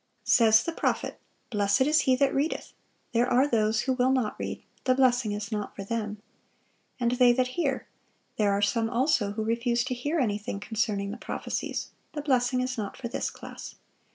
(571) Says the prophet: "Blessed is he that readeth"—there are those who will not read; the blessing is not for them. "And they that hear"—there are some, also, who refuse to hear anything concerning the prophecies; the blessing is not for this class.